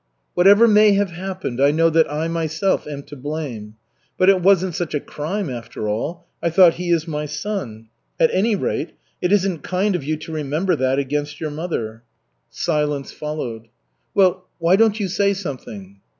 "Whatever may have happened, I know that I myself am to blame. But it wasn't such a crime after all. I thought 'he is my son.' At any rate, it isn't kind of you to remember that against your mother." Silence followed. "Well, why don't you say something?"